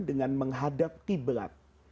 dengan menghadap qiblat